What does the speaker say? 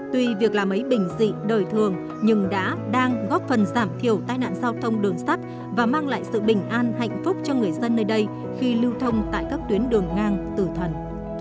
tuy việc làm ấy bình dị đời thường nhưng đã đang góp phần giảm thiểu tai nạn giao thông đường sắt và mang lại sự bình an hạnh phúc cho người dân nơi đây khi lưu thông tại các tuyến đường ngang tử thần